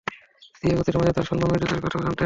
স্বীয় গোত্রের মাঝে তার সন্মান ও ইজ্জতের কথাও জানতেন।